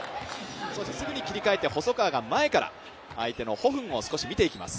すぐに切り替えて、細川が前から相手のホ・フンを少し見ていきます。